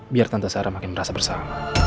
biar tante sarah makin merasa bersalah